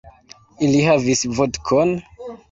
Ili havis vodkon.